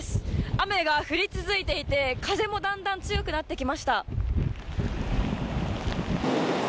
雨が降り続いていて、風もだんだん強くなってきました。